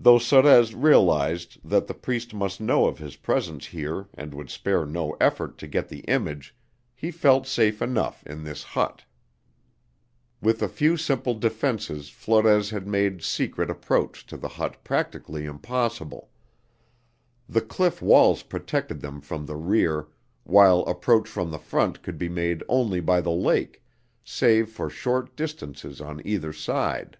Though Sorez realized that the Priest must know of his presence here and would spare no effort to get the image, he felt safe enough in this hut. With a few simple defenses Flores had made secret approach to the hut practically impossible. The cliff walls protected them from the rear, while approach from the front could be made only by the lake, save for short distances on either side.